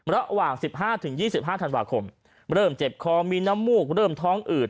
ระหว่าง๑๕๒๕ธันวาคมเริ่มเจ็บคอมีน้ำมูกเริ่มท้องอืด